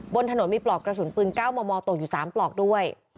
บนถนนมีปลอกกระสุนปืน๙มมตกอยู่๓ปลอกด้วย